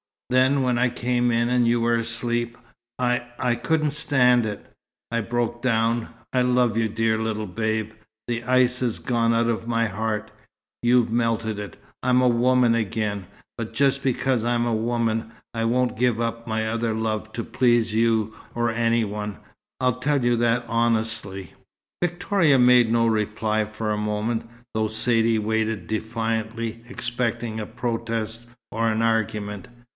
Then, when I came in, and you were asleep, I I couldn't stand it. I broke down. I love you, dear little Babe. The ice is gone out of my heart. You've melted it. I'm a woman again; but just because I'm a woman, I won't give up my other love to please you or any one. I tell you that, honestly." Victoria made no reply for a moment, though Saidee waited defiantly, expecting a protest or an argument.